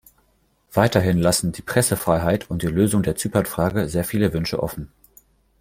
Weiterhin lassen die Pressefreiheit und die Lösung der Zypernfrage sehr viele Wünsche offen.